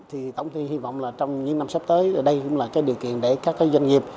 thì tổng thị hy vọng trong những năm sắp tới đây cũng là điều kiện để các doanh nghiệp